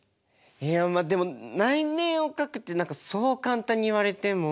いやまあでも内面を描くってそう簡単に言われても。